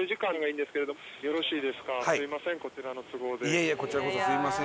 いえいえこちらこそすみません